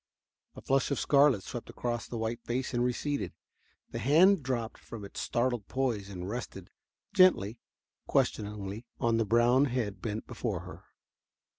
A flush of scarlet swept across the white face and receded. The hand dropped from its startled poise and rested, gently, questioningly, on the brown head bent before her.